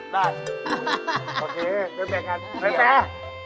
ได้โอเคเปลี่ยนงั้นแม่